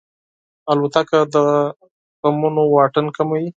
الوتکه د غمونو واټن کموي.